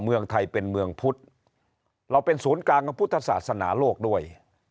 เมืองไทยเป็นเมืองพุทธเราเป็นศูนย์กลางของพุทธศาสนาโลกด้วย